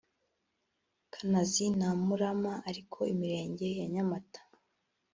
Kanazi na Murama ariko imirenge ya Nyamata